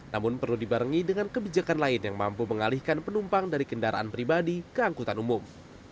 namun perlu dibarengi dengan kebijakan lain yang mampu mengalihkan penumpang dari kendaraan pribadi ke angkutan umum